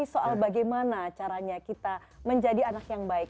soal bagaimana caranya kita menjadi anak yang baik